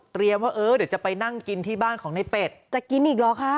ว่าเออเดี๋ยวจะไปนั่งกินที่บ้านของในเป็ดจะกินอีกเหรอคะ